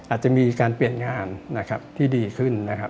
อาจจะมีการเปลี่ยนงานที่ดีขึ้น